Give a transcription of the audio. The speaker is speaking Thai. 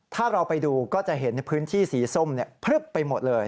ถ้าเราไปดูก็จะเห็นในพื้นที่สีส้มพลึบไปหมดเลย